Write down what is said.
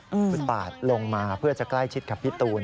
คุณปาดลงมาเพื่อจะใกล้ชิดกับพี่ตูน